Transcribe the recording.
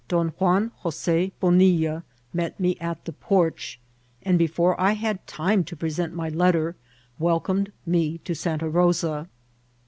Don Juan Jos6 Bonilla met me at the porch, and before I had time to inresentmy letter, welcomed me to Santa Rosa.